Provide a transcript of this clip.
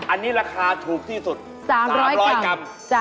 อันนี้ราคาถูกที่สุด๓๐๐กรัม